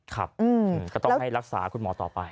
ครับก็ต้องให้รักษาคุณหมอต่อไป